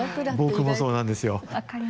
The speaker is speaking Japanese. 僕もそうなんですよ。